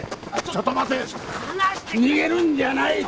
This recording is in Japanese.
ちょっと離して逃げるんじゃない！